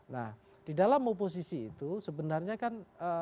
nah di dalam oposisi itu sebenarnya kan